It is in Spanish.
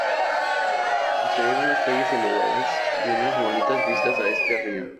Posee unas calles elevadas, y unas bonitas vistas a este río.